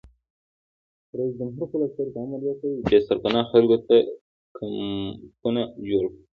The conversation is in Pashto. رئیس جمهور خپلو عسکرو ته امر وکړ؛ بې سرپناه خلکو ته کمپونه جوړ کړئ!